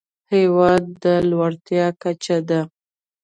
هېواد د لوړتيا کچه ده.